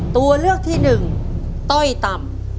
ตัวเลือกที่หนึ่งต้อยต่ำ